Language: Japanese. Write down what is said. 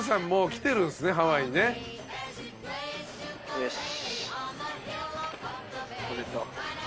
よし。